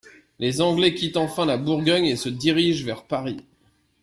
Les Anglais quittent enfin la Bourgogne et se dirigent vers Paris.